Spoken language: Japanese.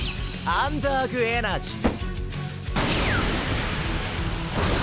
アンダーグ・エナジー！